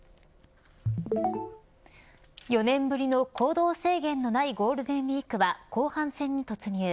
４年ぶりの行動制限のないゴールデンウイークは後半戦に突入。